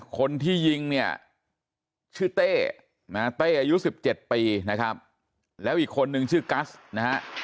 คนที่ยิงเนี่ยชื่อเต้นะฮะเต้อายุ๑๗ปีนะครับแล้วอีกคนนึงชื่อกัสนะฮะ